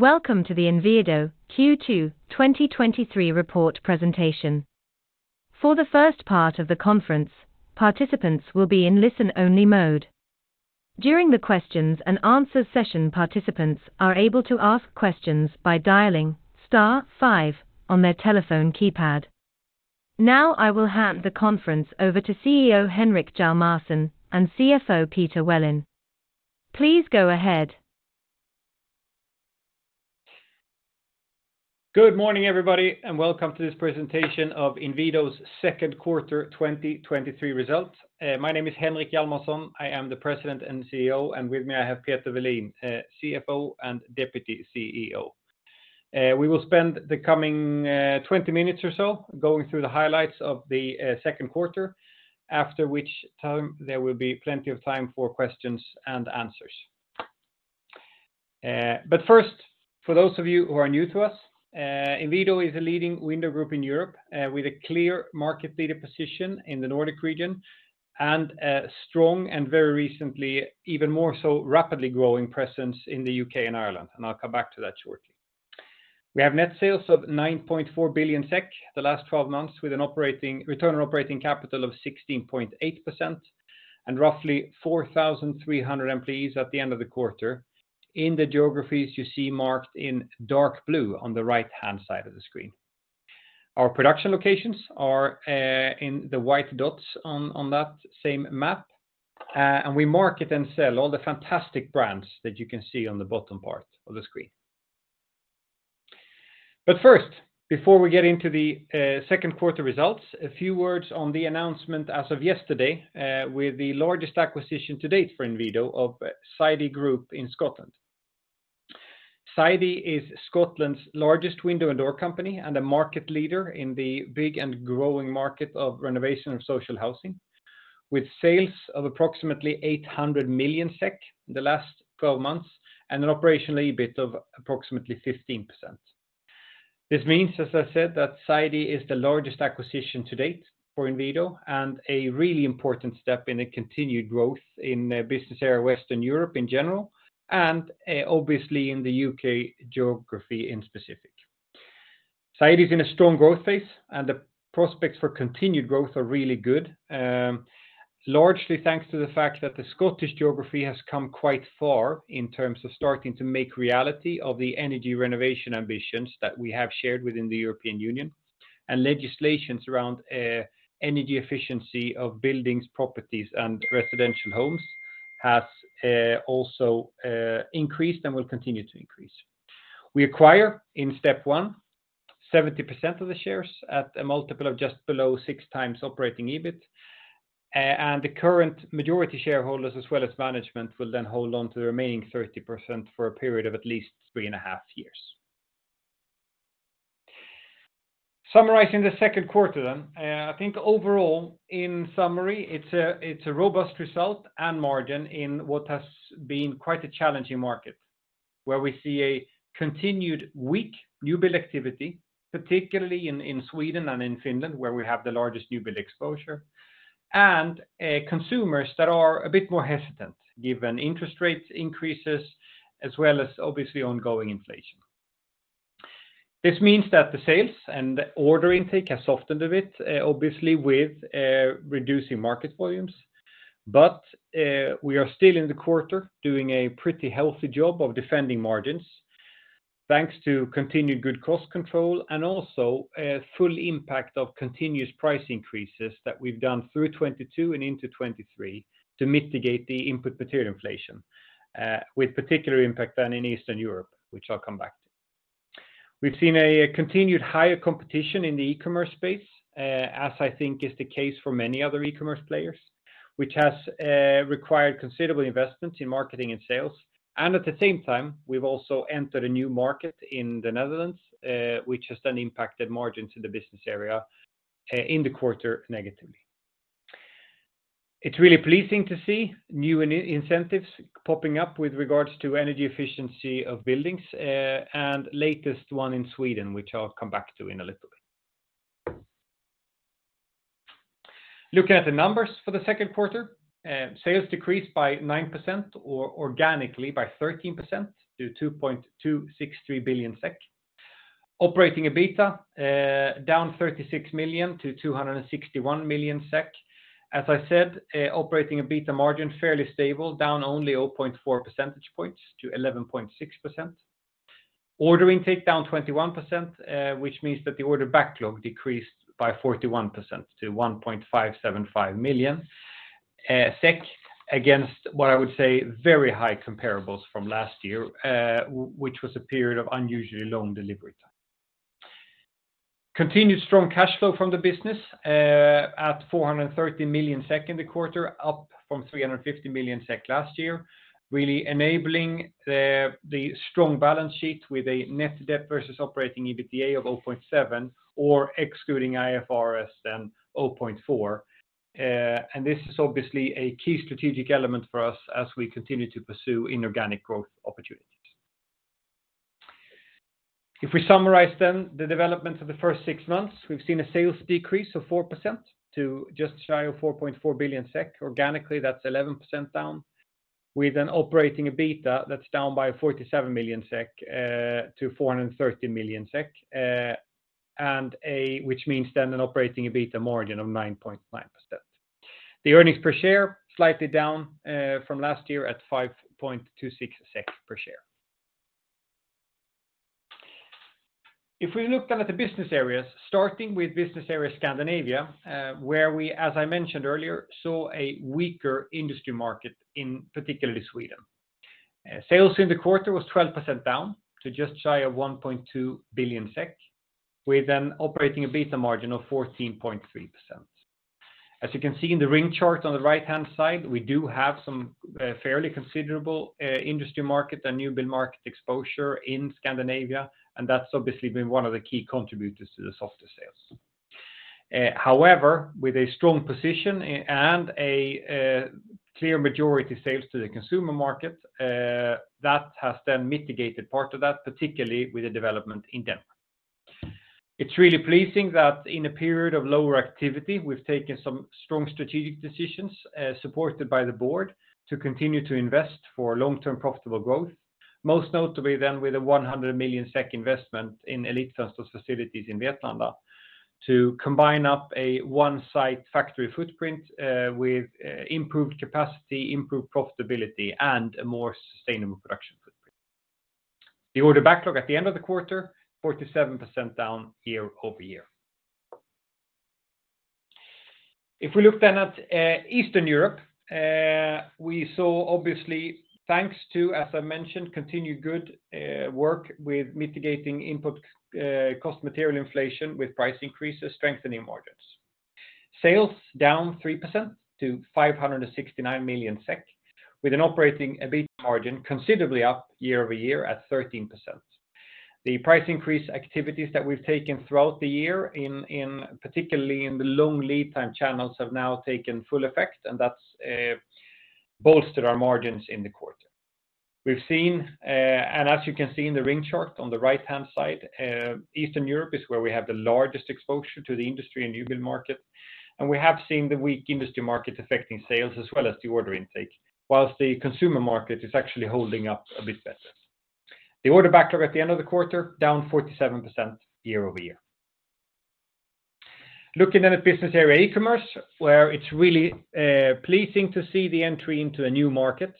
Welcome to the Inwido Q2 2023 report presentation. For the first part of the conference, participants will be in listen-only mode. During the questions and answers session, participants are able to ask questions by dialing star five on their telephone keypad. Now, I will hand the conference over to CEO Henrik Hjalmarsson and CFO Peter Welin. Please go ahead. Good morning, everybody, and welcome to this presentation of Inwido's second quarter 2023 results. My name is Henrik Hjalmarsson. I am the President and CEO, and with me, I have Peter Welin, CFO and Deputy CEO. We will spend the coming 20 minutes or so going through the highlights of the second quarter, after which time there will be plenty of time for questions and answers. First, for those of you who are new to us, Inwido is a leading window group in Europe, with a clear market leader position in the Nordic region and a strong and very recently, even more so, rapidly growing presence in the U.K. and Ireland, and I'll come back to that shortly. We have net sales of 9.4 billion SEK the last twelve months, with a return on operating capital of 16.8% and roughly 4,300 employees at the end of the quarter in the geographies you see marked in dark blue on the right-hand side of the screen. Our production locations are in the white dots on that same map, and we market and sell all the fantastic brands that you can see on the bottom part of the screen. First, before we get into the second quarter results, a few words on the announcement as of yesterday, with the largest acquisition to date for Inwido of Sidey Group in Scotland. Sidey is Scotland's largest window and door company, a market leader in the big and growing market of renovation and social housing, with sales of approximately 800 million SEK in the last 12 months and an operational EBIT of approximately 15%. This means, as I said, that Sidey is the largest acquisition to date for Inwido and a really important step in a continued growth in business area, Western Europe in general, and obviously in the U.K. geography in specific. Sidey is in a strong growth phase, the prospects for continued growth are really good, largely thanks to the fact that the Scottish geography has come quite far in terms of starting to make reality of the energy renovation ambitions that we have shared within the European Union. Legislations around energy efficiency of buildings, properties, and residential homes has also increased and will continue to increase. We acquire, in step one, 70% of the shares at a multiple of just below 6x operating EBIT, and the current majority shareholders as well as management will then hold on to the remaining 30% for a period of at least 3.5 years. Summarizing the second quarter then, I think overall, in summary, it's a robust result and margin in what has been quite a challenging market, where we see a continued weak new build activity, particularly in Sweden and in Finland, where we have the largest new build exposure and consumers that are a bit more hesitant, given interest rates increases as well as obviously ongoing inflation. This means that the sales and the order intake have softened a bit, obviously with reducing market volumes, but we are still in the quarter doing a pretty healthy job of defending margins, thanks to continued good cost control and also a full impact of continuous price increases that we've done through 2022 and into 2023 to mitigate the input material inflation, with particular impact than in Eastern Europe, which I'll come back to. We've seen a continued higher competition in the e-commerce space, as I think is the case for many other e-commerce players, which has required considerable investments in marketing and sales. At the same time, we've also entered a new market in the Netherlands, which has then impacted margins in the business area, in the quarter negatively. It's really pleasing to see new incentives popping up with regards to energy efficiency of buildings, and latest one in Sweden, which I'll come back to in a little bit. Looking at the numbers for the second quarter, sales decreased by 9%, or organically by 13% to 2.263 billion SEK. Operating EBITDA, down 36 million to 261 million SEK. As I said, operating EBITDA margin, fairly stable, down only 0.4 %age points to 11.6%. Order intake down 21%, which means that the order backlog decreased by 41% to 1.575 million SEK, against what I would say, very high comparables from last year, which was a period of unusually long delivery time. Continued strong cash flow from the business, at 430 million SEK in the quarter, up from 350 million SEK last year, really enabling the strong balance sheet with a net debt versus operating EBITDA of 0.7 or excluding IFRS than 0.4. This is obviously a key strategic element for us as we continue to pursue inorganic growth opportunities. If we summarize then the development of the first six months, we've seen a sales decrease of 4% to just shy of 4.4 billion SEK. Organically, that's 11% down, with an operating EBITDA that's down by 47 million SEK to 430 million SEK, which means then an operating EBITDA margin of 9.9%. The earnings per share slightly down from last year at 5.26 SEK per share. We look then at the business areas, starting with business area Scandinavia, where we, as I mentioned earlier, saw a weaker industry market in particularly Sweden. Sales in the quarter was 12% down to just shy of 1.2 billion SEK, with an operating EBITDA margin of 14.3%. As you can see in the ring chart on the right-hand side, we do have some fairly considerable industry market and new build market exposure in Scandinavia, and that's obviously been one of the key contributors to the softer sales. However, with a strong position and a clear majority sales to the consumer market, that has then mitigated part of that, particularly with the development in Denmark. It's really pleasing that in a period of lower activity, we've taken some strong strategic decisions, supported by the board, to continue to invest for long-term profitable growth, most notably then with a 100 million SEK investment in Elitfönster's facilities in Vetlanda, to combine up a one-site factory footprint, with improved capacity, improved profitability, and a more sustainable production footprint. The order backlog at the end of the quarter, 47% down year-over-year. If we look then at Eastern Europe, we saw obviously, thanks to, as I mentioned, continued good work with mitigating input, cost material inflation with price increases, strengthening margins. Sales down 3% to 569 million SEK, with an operating EBITDA margin considerably up year-over-year at 13%. The price increase activities that we've taken throughout the year, in particularly in the long lead time channels, have now taken full effect, and that's bolstered our margins in the quarter. We've seen, and as you can see in the ring chart on the right-hand side, Eastern Europe is where we have the largest exposure to the industry and new build market, and we have seen the weak industry market affecting sales as well as the order intake, whilst the consumer market is actually holding up a bit better. The order backlog at the end of the quarter, down 47% year-over-year. Looking at the business area, E-commerce, where it's really pleasing to see the entry into a new market.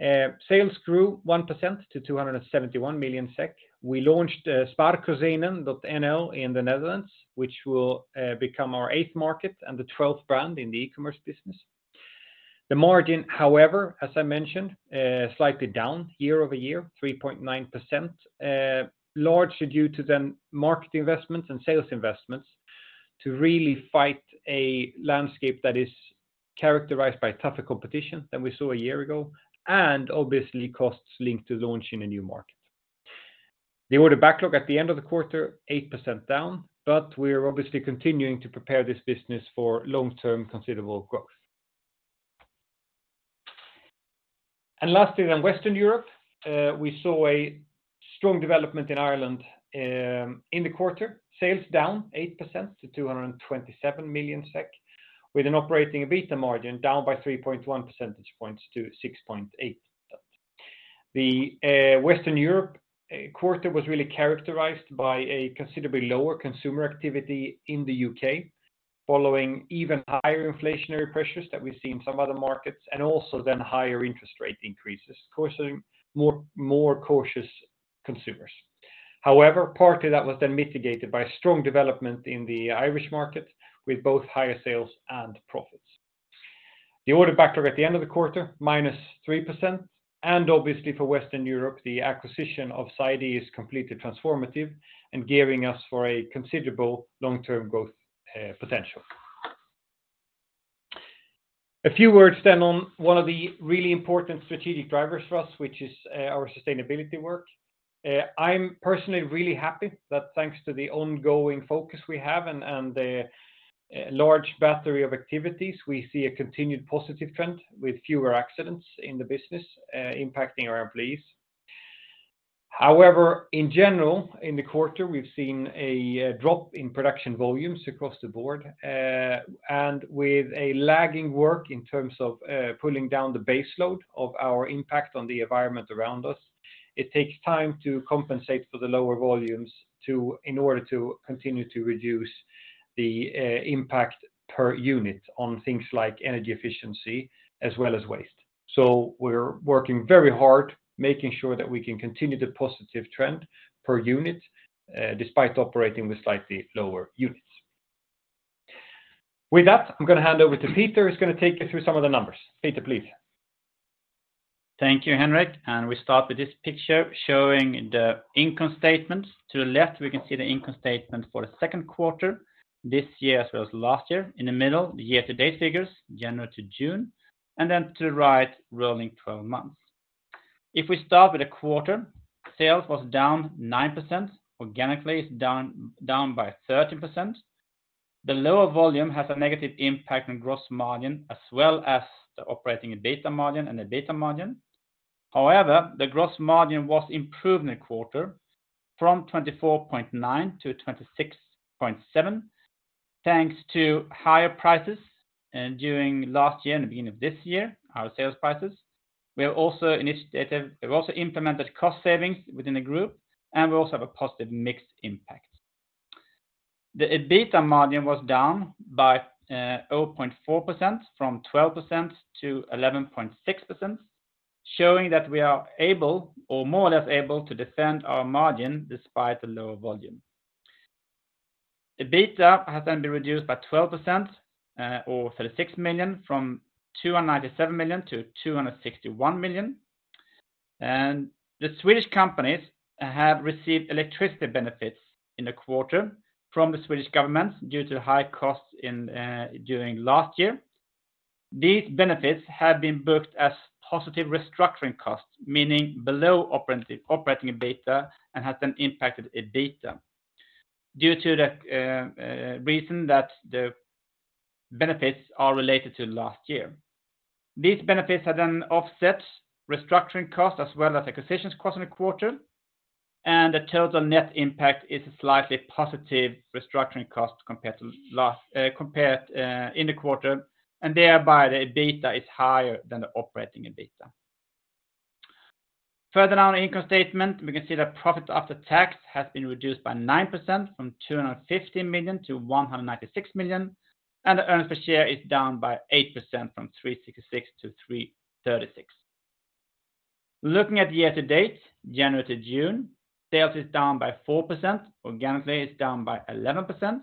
Sales grew 1% to 271 million SEK. We launched sparkozijnen.nl in the Netherlands, which will become our eighth market and the twelfth brand in the e-commerce business. The margin, however, as I mentioned, slightly down year-over-year, 3.9%, largely due to then market investments and sales investments to really fight a landscape that is characterized by tougher competition than we saw a year ago, and obviously, costs linked to launching a new market. The order backlog at the end of the quarter, 8% down, but we're obviously continuing to prepare this business for long-term considerable growth. Lastly, then Western Europe, we saw a strong development in Ireland in the quarter. Sales down 8% to 227 million SEK, with an operating EBITDA margin down by 3.1 % each points to 6.8%. The Western Europe quarter was really characterized by a considerably lower consumer activity in the U.K., following even higher inflationary pressures that we've seen in some other markets, and also then higher interest rate increases, causing more cautious consumers. However, partly that was then mitigated by strong development in the Irish market with both higher sales and profits. The order backlog at the end of the quarter, -3%. Obviously for Western Europe, the acquisition of Sidey is completely transformative and gearing us for a considerable long-term growth potential. A few words then on one of the really important strategic drivers for us, which is our sustainability work. I'm personally really happy that thanks to the ongoing focus we have and the large battery of activities, we see a continued positive trend with fewer accidents in the business, impacting our employees. In general, in the quarter, we've seen a drop in production volumes across the board, and with a lagging work in terms of pulling down the base load of our impact on the environment around us, it takes time to compensate for the lower volumes to, in order to continue to reduce the impact per unit on things like energy efficiency as well as waste. We're working very hard, making sure that we can continue the positive trend per unit, despite operating with slightly lower units. With that, I'm going to hand over to Peter, who's going to take you through some of the numbers. Peter, please. Thank you, Henrik. We start with this picture showing the income statements. To the left, we can see the income statement for the second quarter, this year as well as last year. In the middle, the year-to-date figures, January to June, and then to the right, rolling 12 months. If we start with a quarter, sales was down 9%, organically, it's down by 13%. The lower volume has a negative impact on gross margin, as well as the operating EBITDA margin and the EBITDA margin. However, the gross margin was improved in the quarter from 24.9 to 26.7, thanks to higher prices, and during last year and the beginning of this year, our sales prices. We've also implemented cost savings within the group, and we also have a positive mix impact. The EBITDA margin was down by 0.4%, from 12% to 11.6%, showing that we are able or more or less able to defend our margin despite the lower volume. EBITDA has then been reduced by 12%, or 36 million, from 297 million to 261 million. The Swedish companies have received electricity benefits in the quarter from the Swedish government due to high costs during last year. These benefits have been booked as positive restructuring costs, meaning below operating EBITDA and has then impacted EBITDA. Due to the reason that the benefits are related to last year. These benefits have then offset restructuring costs as well as acquisitions costs in the quarter, and the total net impact is a slightly positive restructuring cost compared to last, compared in the quarter, and thereby, the EBITDA is higher than the operating EBITDA. Further on income statement, we can see that profit after tax has been reduced by 9% from 250 million to 196 million, and the earnings per share is down by 8% from 3.66 to 3.36. Looking at year to date, January to June, sales is down by 4%. Organically, it's down by 11%.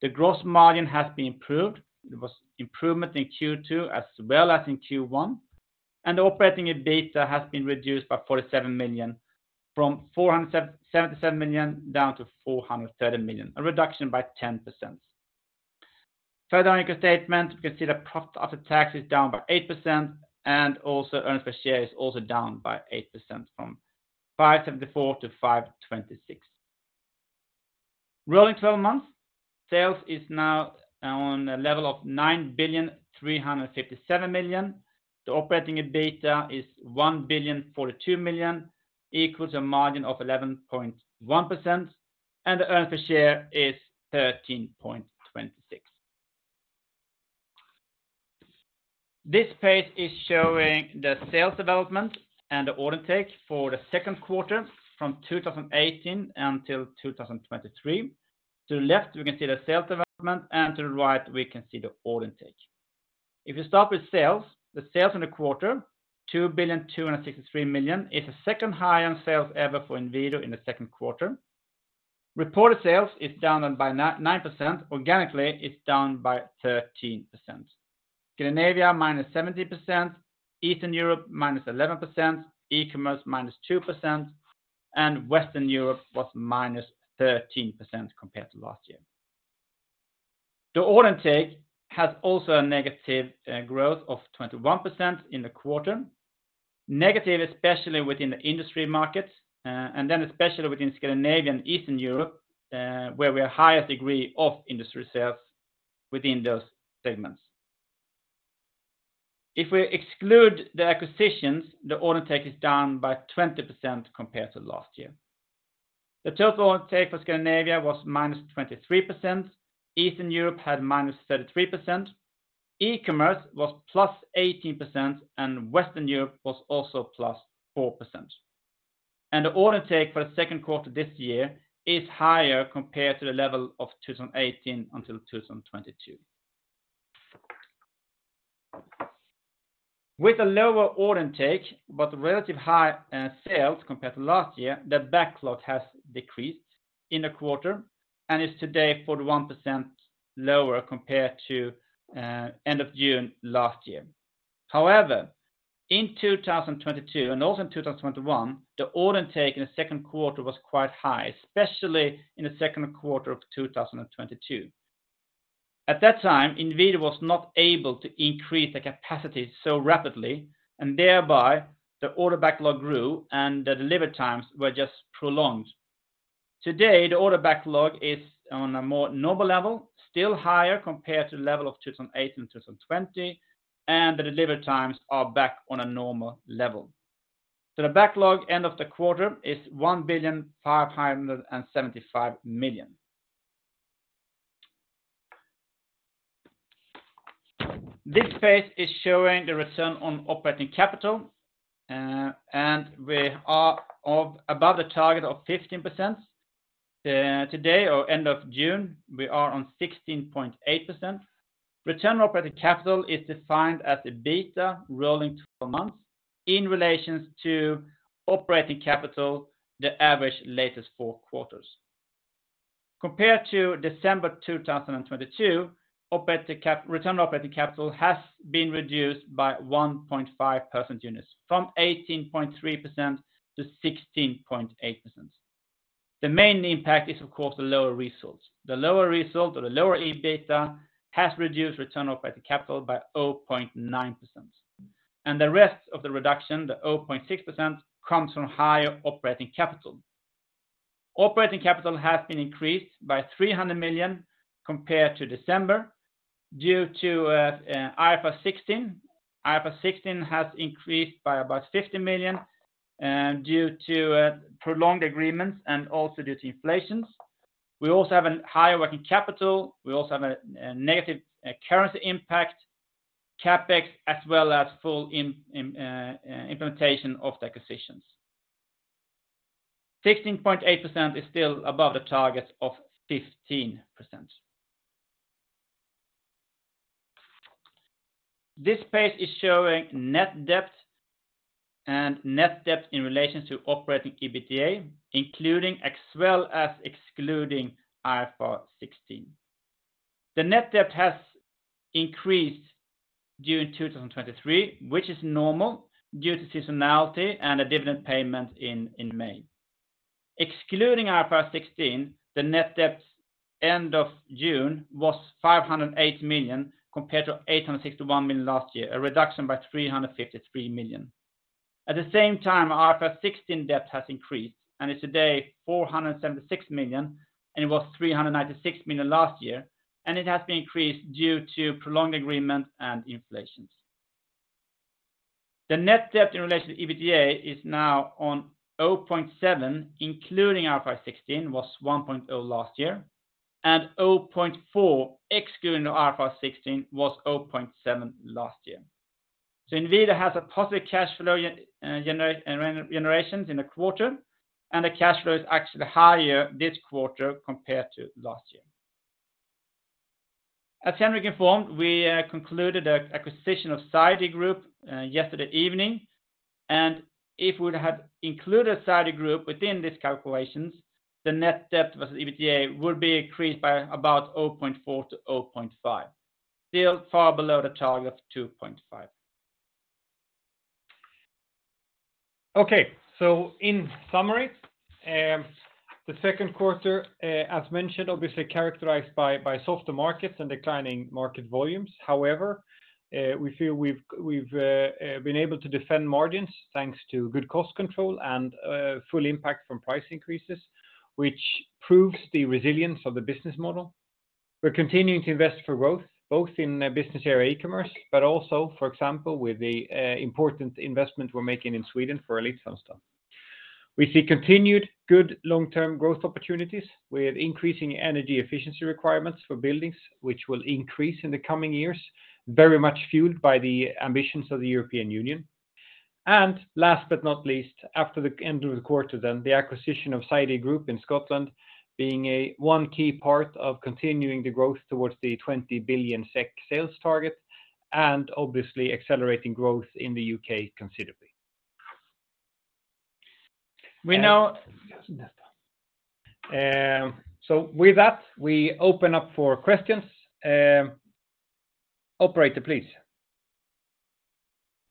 The gross margin has been improved. It was improvement in Q2 as well as in Q1. Operating EBITDA has been reduced by 47 million, from 477 million down to 430 million, a reduction by 10%. Further on income statement, we can see the profit after tax is down by 8%. Also earnings per share is also down by 8% from 5.74 to 5.26. Rolling twelve months, sales is now on a level of 9,357 million. The operating EBITDA is 1,042 million, equals a margin of 11.1%. The earnings per share is 13.26. This page is showing the sales development and the order intake for the second quarter from 2018 until 2023. To the left, we can see the sales development, and to the right, we can see the order intake. If you start with sales, the sales in the quarter, 2,263 million, is the second highest in sales ever for Inwido in the second quarter. Reported sales is down by 9%, organically, it's down by 13%. Scandinavia, minus 70%, Eastern Europe, minus 11%, E-commerce, minus 2%, and Western Europe was minus 13% compared to last year. The order intake has also a negative growth of 21% in the quarter. Negative, especially within the industry markets, and then especially within Scandinavia and Eastern Europe, where we have a higher degree of industry sales within those segments. If we exclude the acquisitions, the order take is down by 20% compared to last year. The total order take for Scandinavia was -23%, Eastern Europe had -33%, E-commerce was +18%, Western Europe was also +4%. The order take for the second quarter this year is higher compared to the level of 2018 until 2022. With a lower order intake, but relative high sales compared to last year, the backlog has decreased in the quarter and is today 41% lower compared to end of June last year. However, in 2022, and also in 2021, the order intake in the second quarter was quite high, especially in the second quarter of 2022. At that time, Inwido was not able to increase the capacity so rapidly, and thereby the order backlog grew and the delivery times were just prolonged. Today, the order backlog is on a more normal level, still higher compared to the level of 2018, 2020, and the delivery times are back on a normal level. The backlog end of the quarter is 1,575 million. This page is showing the return on operating capital, and we are above the target of 15%. Today or end of June, we are on 16.8%. Return operating capital is defined as EBITDA rolling 12 months in relations to operating capital, the average latest four quarters. Compared to December 2022, return operating capital has been reduced by 1.5 % units, from 18.3% to 16.8%. The main impact is, of course, the lower results. The lower result or the lower EBITDA has reduced return operating capital by 0.9%. The rest of the reduction, the 0.6%, comes from higher operating capital. Operating capital has been increased by 300 million compared to December due to IFRS 16. IFRS 16 has increased by about 50 million due to prolonged agreements and also due to inflations. We also have an higher working capital. We also have a negative currency impact, CapEx, as well as full implementation of the acquisitions. 16.8% is still above the target of 15%. This page is showing net debt and net debt in relation to operating EBITDA, including as well as excluding IFRS 16. The net debt has increased during 2023, which is normal due to seasonality and a dividend payment in May. Excluding IFRS 16, the net debt end of June was 580 million, compared to 861 million last year, a reduction by 353 million. At the same time, IFRS 16 debt has increased. It's today 476 million. It was 396 million last year. It has been increased due to prolonged agreement and inflations. The net debt in relation to EBITDA is now on 0.7, including IFRS 16, was 1.0 last year, and 0.4, excluding the IFRS 16, was 0.7 last year. Inwido has a positive cash flow generations in the quarter, and the cash flow is actually higher this quarter compared to last year. As Henrik informed, we concluded the acquisition of Sidey Group yesterday evening, and if we'd have included Sidey Group within these calculations, the net debt versus EBITDA would be increased by about 0.4-0.5, still far below the target of 2.5. In summary, the second quarter, as mentioned, obviously characterized by softer markets and declining market volumes. However, we feel we've been able to defend margins, thanks to good cost control and full impact from price increases, which proves the resilience of the business model. We're continuing to invest for growth, both in business area e-commerce, but also, for example, with the important investment we're making in Sweden for Alingsås. We see continued good long-term growth opportunities with increasing energy efficiency requirements for buildings, which will increase in the coming years, very much fueled by the ambitions of the European Union. Last but not least, after the end of the quarter, then the acquisition of Sidey Group in Scotland, being a one key part of continuing the growth towards the 20 billion SEK sales target, and obviously accelerating growth in the UK considerably. We now- With that, we open up for questions. Operator, please.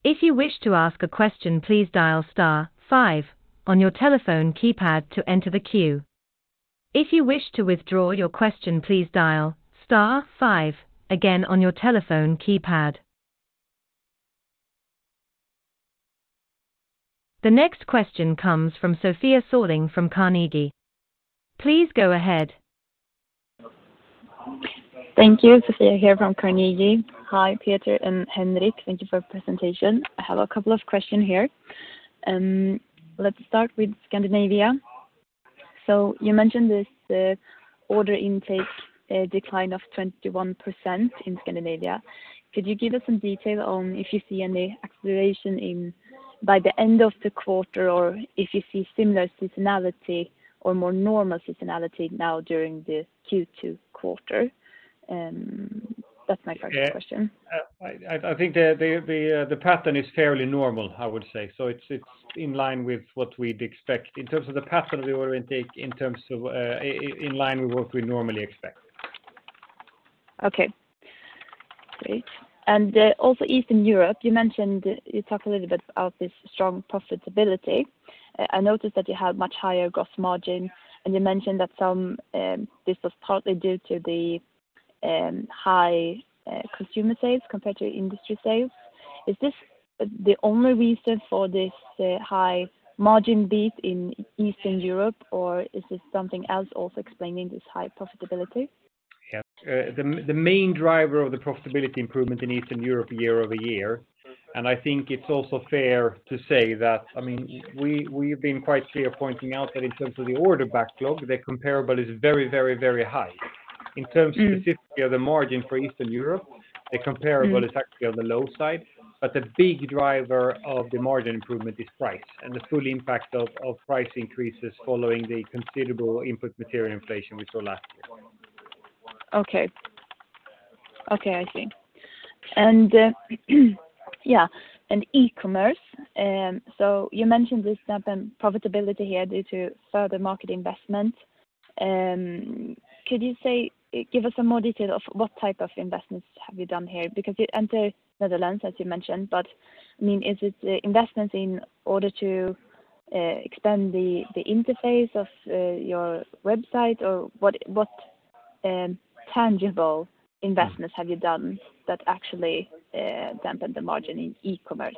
If you wish to ask a question, please dial star five on your telephone keypad to enter the queue. If you wish to withdraw your question, please dial star five again on your telephone keypad. The next question comes from Sofia Sörling from Carnegie. Please go ahead. Thank you. Sofia here from Carnegie. Hi, Peter and Henrik. Thank you for the presentation. I have a couple of questions here. Let's start with Scandinavia. You mentioned this order intake decline of 21% in Scandinavia. Could you give us some detail on if you see any acceleration in by the end of the quarter, or if you see similar seasonality or more normal seasonality now during this Q2 quarter? That's my first question. Yeah, I think the pattern is fairly normal, I would say. It's in line with what we'd expect. In terms of the pattern, we would take in terms of, in line with what we normally expect. Okay. Great. Also Eastern Europe, you mentioned you talked a little bit about this strong profitability. I noticed that you have much higher gross margin, and you mentioned that some, this was partly due to the high consumer sales compared to industry sales. Is this the only reason for this high margin beat in Eastern Europe, or is this something else also explaining this high profitability? Yeah, the main driver of the profitability improvement in Eastern Europe year-over-year, I think it's also fair to say that, I mean, we've been quite clear pointing out that in terms of the order backlog, the comparable is very high. In terms specifically of the margin for Eastern Europe, the comparable is actually on the low side, but the big driver of the margin improvement is price and the full impact of price increases following the considerable input material inflation we saw last year. Okay. Okay, I see. E-commerce. You mentioned this jump in profitability here due to further market investment. Could you say, give us some more detail of what type of investments have you done here? You enter Netherlands, as you mentioned, but, I mean, is it investments in order to expand the interface of your website? What tangible investments have you done that actually dampen the margin in e-commerce?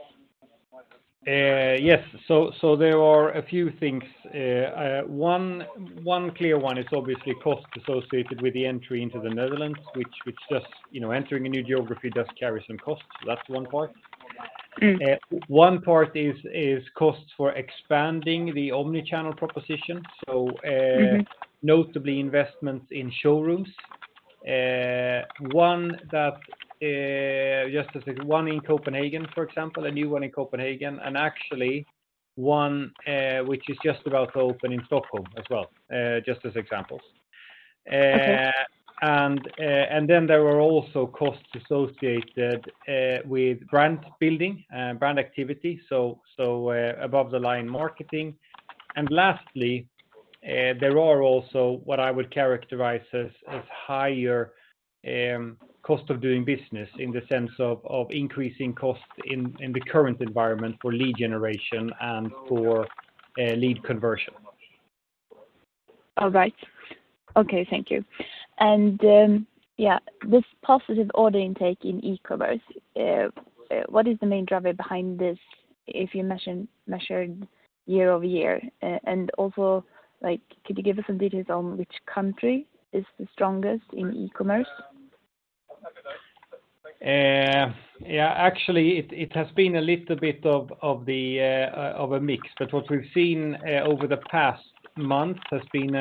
Yes. There are a few things. One clear one is obviously cost associated with the entry into the Netherlands, which just, you know, entering a new geography does carry some costs. That's one part. Mm-hmm. One part is costs for expanding the omni-channel proposition. Mm-hmm. Notably, investments in showrooms. One that, just as one in Copenhagen, for example, a new one in Copenhagen, and actually one, which is just about to open in Stockholm as well, just as examples. Okay. Then there are also costs associated with brand building, brand activity, so above the line marketing. There are also what I would characterize as higher cost of doing business in the sense of increasing cost in the current environment for lead generation and for lead conversion. All right. Okay, thank you. This positive order intake in e-commerce, what is the main driver behind this, if you measured year-over-year? Also, like, could you give us some details on which country is the strongest in e-commerce? Yeah, actually, it has been a little bit of the, of a mix, but what we've seen, over the past month has been,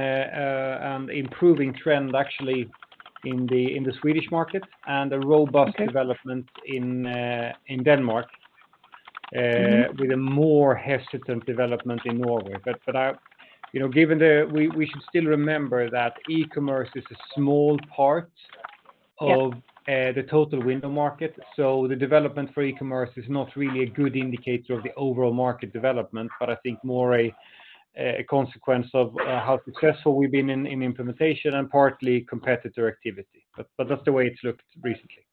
improving trend actually in the Swedish market. Okay... development in Denmark. Mm-hmm... with a more hesitant development in Norway. You know, given we should still remember that e-commerce is a small part of the total window market. The development for e-commerce is not really a good indicator of the overall market development, but I think more a consequence of how successful we've been in implementation and partly competitor activity. That's the way it's looked recently.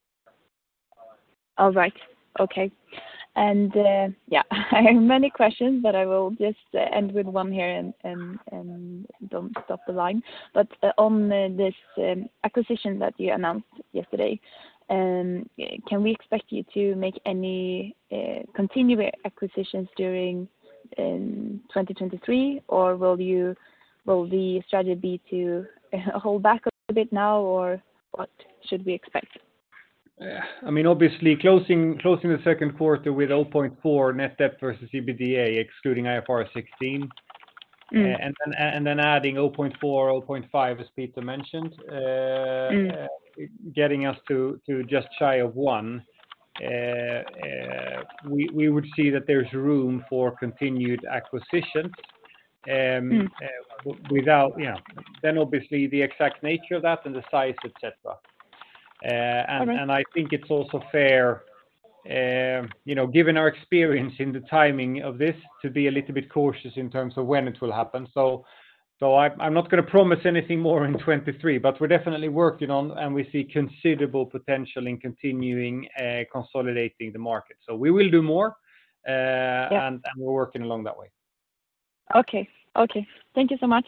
All right. Okay. Yeah, I have many questions, but I will just end with one here and don't stop the line. On this acquisition that you announced yesterday, can we expect you to make any continuing acquisitions in 2023, or will the strategy be to hold back a little bit now, or what should we expect? I mean, obviously, closing the second quarter with 0.4 net debt versus EBITDA, excluding IFRS 16. Mm-hmm... and then adding 0.4 or 0.5, as Peter mentioned. Mm-hmm... getting us to just shy of one, we would see that there's room for continued acquisition. Mm-hmm without, you know. obviously, the exact nature of that and the size, et cetera. Okay. I think it's also fair, you know, given our experience in the timing of this, to be a little bit cautious in terms of when it will happen. I'm not gonna promise anything more in 2023, but we're definitely working on, and we see considerable potential in continuing, consolidating the market. We will do more. Yeah We're working along that way. Okay. Thank you so much.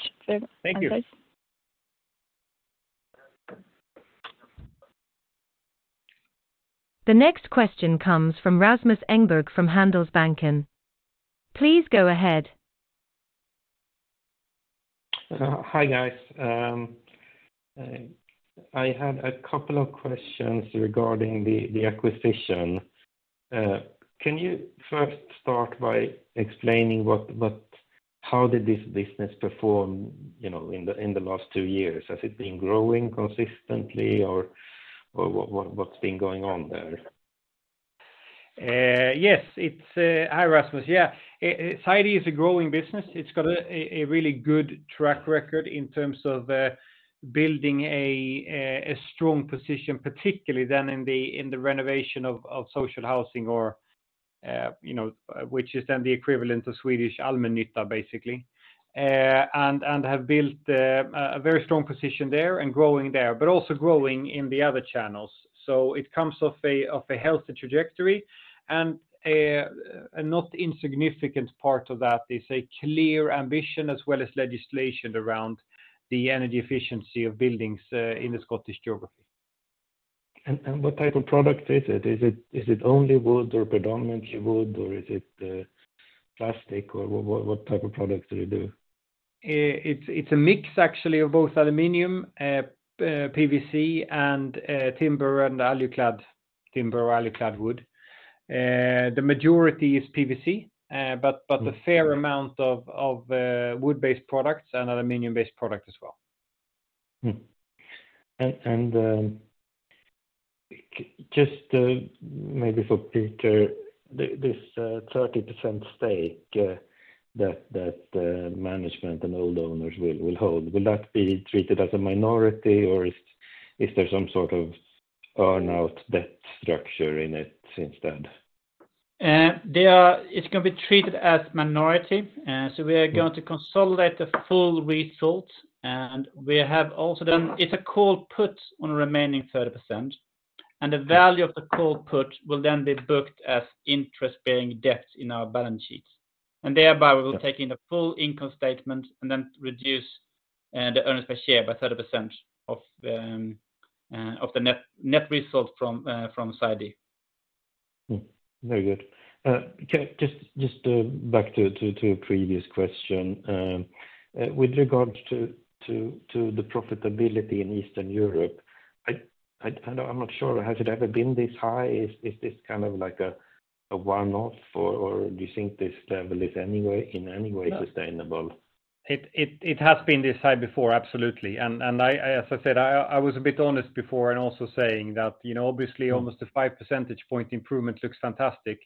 Thank you. The next question comes from Rasmus Engberg, from Handelsbanken. Please go ahead. Hi, guys. I had a couple of questions regarding the acquisition. Can you first start by explaining how did this business perform, you know, in the last two years? Has it been growing consistently or what's been going on there? Yes, it's. Hi, Rasmus. Yeah, Sidey is a growing business. It's got a, a really good track record in terms of building a, a strong position, particularly than in the, in the renovation of social housing or, you know, which is then the equivalent of Swedish Allmännytta, basically. Have built a very strong position there and growing there but also growing in the other channels. It comes of a, of a healthy trajectory, and a not insignificant part of that is a clear ambition, as well as legislation around the energy efficiency of buildings in the Scottish geography. What type of product is it? Is it only wood or predominantly wood, or is it plastic, or what type of product do they do? it's a mix, actually, of both aluminum, PVC, and, timber, and alu-clad timber or alu-clad wood. The majority is PVC. Mm-hmm A fair amount of wood-based products and aluminum-based product as well. Just maybe for Peter, this 30% stake, that management and old owners will hold, will that be treated as a minority or is there some sort of earn out debt structure in it instead? It's gonna be treated as minority. We are going to consolidate the full result. It's a call put on remaining 30%. The value of the call/put will then be booked as interest-bearing debt in our balance sheets. Thereby, we will take in the full income statement and then reduce, the earnings per share by 30% of the net result from Sidey. Very good. Just back to a previous question. With regards to the profitability in Eastern Europe, I'm not sure, has it ever been this high? Is this kind of like a one-off, or do you think this level is in any way sustainable? It has been this high before, absolutely. I, as I said, I was a bit honest before, and also saying that, you know, obviously, almost a 5% each point improvement looks fantastic,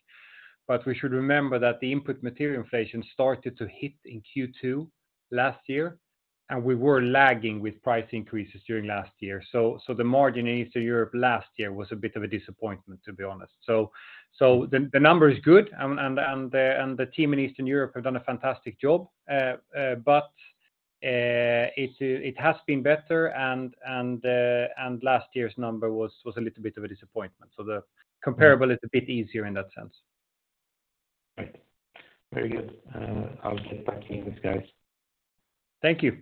but we should remember that the input material inflation started to hit in Q2 last year, and we were lagging with price increases during last year. The margin in Eastern Europe last year was a bit of a disappointment, to be honest. The number is good, and the team in Eastern Europe have done a fantastic job, but it has been better, and last year's number was a little bit of a disappointment. The comparable is a bit easier in that sense. Great. Very good. I'll get back to you guys. Thank you.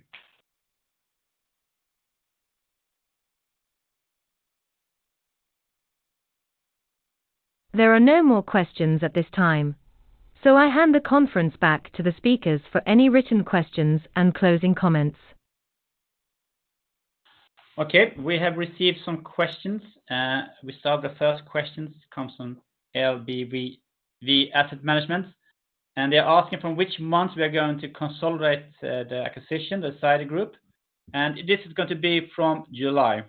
There are no more questions at this time, so I hand the conference back to the speakers for any written questions and closing comments. Okay, we have received some questions. We saw the first questions comes from LBV Asset Management. They're asking from which month we are going to consolidate the acquisition, the Sidey Group. This is going to be from July.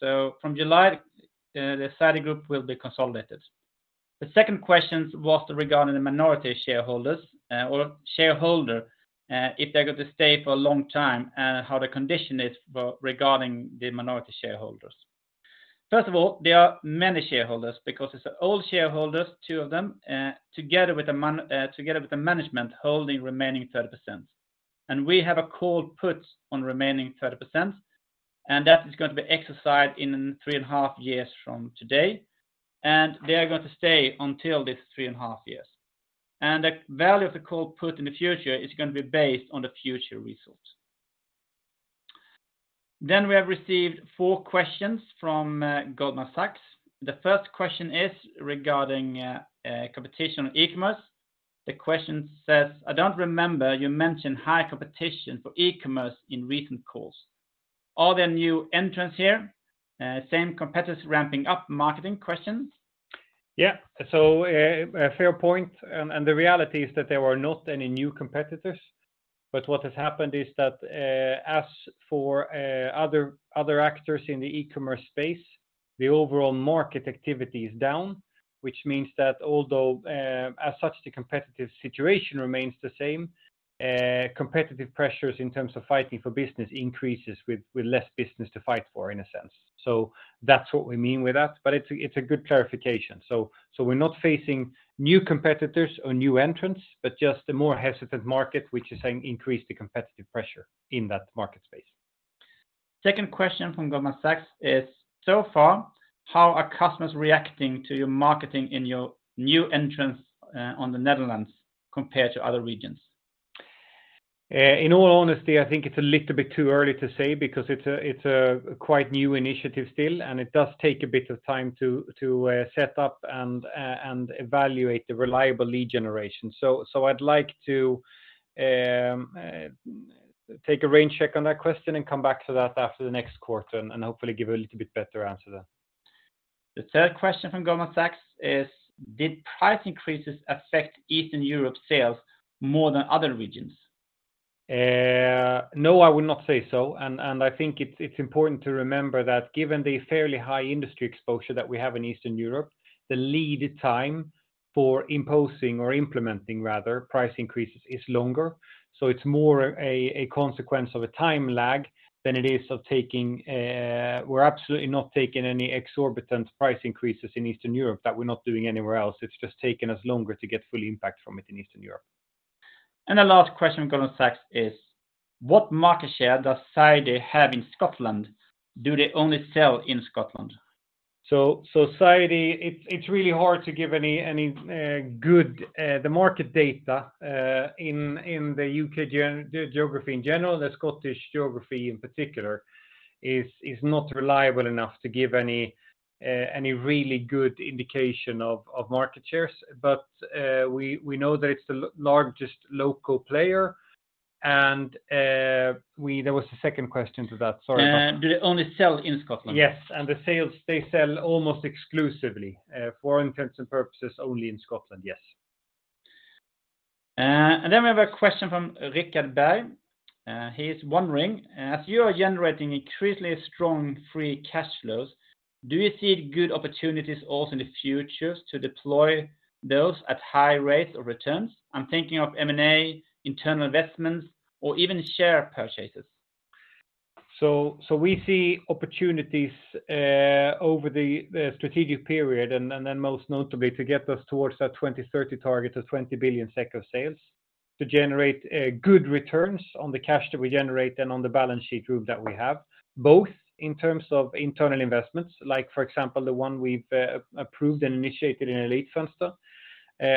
From July, the Sidey Group will be consolidated. The second question was regarding the minority shareholders or shareholder, if they're going to stay for a long time, how the condition is for regarding the minority shareholders. First of all, there are many shareholders because it's all shareholders, two of them, together with the management, holding remaining 30%. We have a call put on remaining 30%, and that is going to be exercised in 3.5 years from today, and they are going to stay until this 3.5 years. The value of the call put in the future is going to be based on the future results. We have received four questions from Goldman Sachs. The first question is regarding competition on e-commerce. The question says, "I don't remember you mentioned high competition for e-commerce in recent calls. Are there new entrants here? Same competitors ramping up marketing questions? A fair point, and the reality is that there were not any new competitors, but what has happened is that as for other actors in the e-commerce space, the overall market activity is down, which means that although as such, the competitive situation remains the same, competitive pressures in terms of fighting for business increases with less business to fight for, in a sense. That's what we mean with that, but it's a good clarification. We're not facing new competitors or new entrants, but just a more hesitant market, which is saying increase the competitive pressure in that market space. Second question from Goldman Sachs is: So far, how are customers reacting to your marketing in your new entrants on the Netherlands compared to other regions? In all honesty, I think it's a little bit too early to say because it's a quite new initiative still, and it does take a bit of time to set up and evaluate the reliable lead generation. I'd like to take a rain check on that question and come back to that after the next quarter. Hopefully, give a little bit better answer then. The third question from Goldman Sachs is: Did price increases affect Eastern Europe sales more than other regions? No, I would not say so. I think it's important to remember that given the fairly high industry exposure that we have in Eastern Europe, the lead time for imposing or implementing, rather, price increases is longer. It's more a consequence of a time lag than it is of taking. We're absolutely not taking any exorbitant price increases in Eastern Europe that we're not doing anywhere else. It's just taken us longer to get full impact from it in Eastern Europe. The last question from Goldman Sachs is: What market share does Sidey have in Scotland? Do they only sell in Scotland? Sidey, it's really hard to give any good the market data in the U.K. geography in general, the Scottish geography, in particular, is not reliable enough to give any really good indication of market shares. We know that it's the largest local player, and There was a second question to that, sorry about that. Do they only sell in Scotland? Yes, the sales, they sell almost exclusively, for intents and purposes, only in Scotland, yes. We have a question from Richard Berg. He's wondering, as you are generating increasingly strong free cash flows, do you see good opportunities also in the future to deploy those at high rates or returns? I'm thinking of M&A, internal investments, or even share purchases. we see opportunities over the strategic period, and then most notably, to get us towards that 2030 target of 20 billion SEK of sales, to generate good returns on the cash that we generate and on the balance sheet group that we have, both in terms of internal investments, like, for example, the one we've approved and initiated in Elitfönster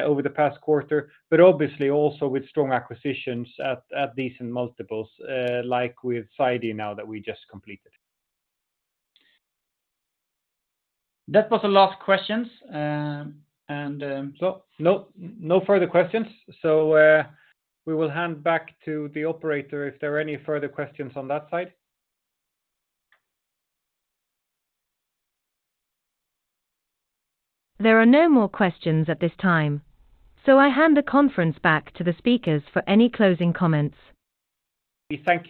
over the past quarter, but obviously also with strong acquisitions at decent multiples, like with Sidey now that we just completed. That was the last questions. No, no further questions. We will hand back to the operator if there are any further questions on that side. There are no more questions at this time. I hand the conference back to the speakers for any closing comments. We thank you.